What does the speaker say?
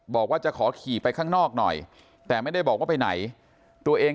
บอกว่าจะขอขี่ไปข้างนอกหน่อยแต่ไม่ได้บอกว่าไปไหนตัวเอง